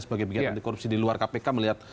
sebagai bagian anti korupsi di luar kpk melihat